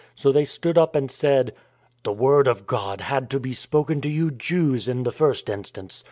So they stood up and said :" The Word of God had to be spoken to you Jews in the first instance.